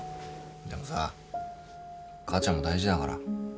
でもさ母ちゃんも大事だから。